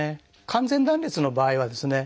完全断裂の場合はですね